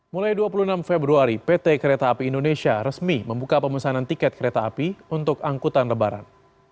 mulai dua puluh enam februari pt kereta api indonesia resmi membuka pemesanan tiket kereta api untuk angkutan lebaran